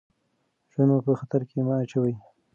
ژوند مو په خطر کې مه اچوئ.